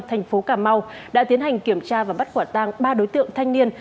khu cà mau đã tiến hành kiểm tra và bắt quả tăng ba đối tượng thanh niên